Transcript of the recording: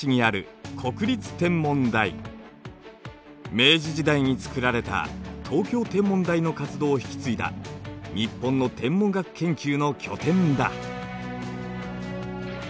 明治時代に造られた東京天文台の活動を引き継いだ日本の天文学研究の拠点だ。